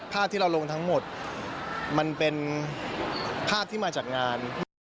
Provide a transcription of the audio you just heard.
ภาพที่เราลงทั้งหมดมันเป็นภาพที่มาจากงาน